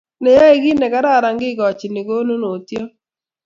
Neyaei kit nekararan kekochini konunotiot,